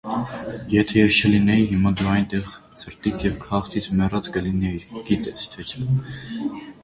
- Եթե ես չլինեի, հիմա դու այնտեղ ցրտից և քաղցից մեռած կլինեիր, գիտե՞ս թե չէ…